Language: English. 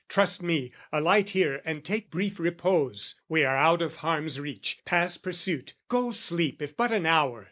"Trust me, alight here and take brief repose! "We are out of harm's reach, past pursuit: go sleep "If but an hour!